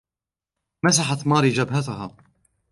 مسحت ماري جبهتها.